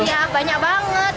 iya banyak banget